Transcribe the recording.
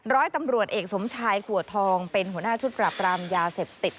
ร้อยตำรวจเอกสมชายขัวทองเป็นหัวหน้าชุดปรับรามยาเสพติด